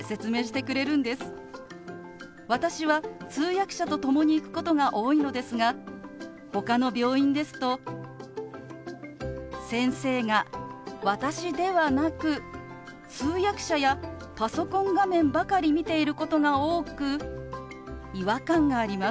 私は通訳者と共に行くことが多いのですがほかの病院ですと先生が私ではなく通訳者やパソコン画面ばかり見ていることが多く違和感があります。